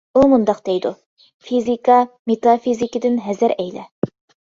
ئۇ مۇنداق دەيدۇ: «فىزىكا، مېتافىزىكىدىن ھەزەر ئەيلە! ».